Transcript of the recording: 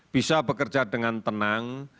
bisa bekerja dengan tenang